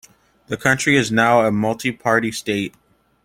The country is now a multiparty state.